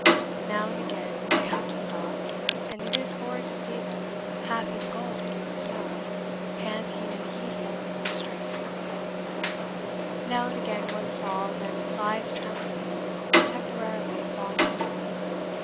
Now and again they have to stop, and it is horrid to see them half engulfed in the snow, panting and heaving from the strain. Now and again one falls and lies trembling and temporarily exhausted.